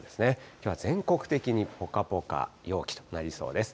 きょうは全国的にぽかぽか陽気となりそうです。